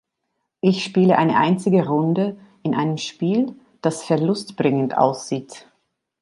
Ich spiele eine einzige Runde in einem Spiel, das verlustbringend aussieht.